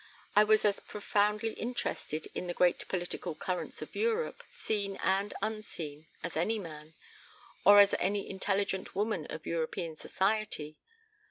I was as profoundly interested in the great political currents of Europe, seen and unseen, as any man or as any intelligent woman of European society.